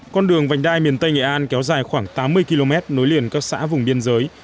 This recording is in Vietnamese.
con đường vành đai miền tây nghệ an kéo dài khoảng tám mươi km nối liền các xã vùng biên giới